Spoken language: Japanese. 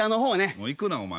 もう行くなお前